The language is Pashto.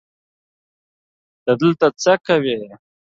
ته دلته څه کوی